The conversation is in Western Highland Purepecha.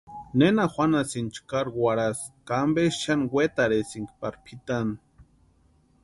¿Nena juanhasïnki chkari warhasï ka ampe xani wetarhisïnki pari pʼitani?